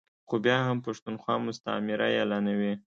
خو بیا هم پښتونخوا مستعمره اعلانوي ا